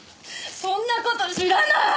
そんな事知らない！